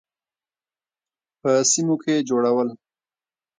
په سیمو کې جوړول.